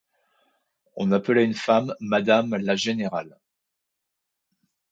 On appelait une femme madame la générale.